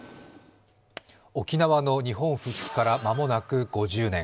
沖縄の日本復帰から間もなく５０年。